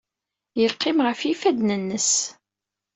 Yeqqim ɣef yifadden-nnes.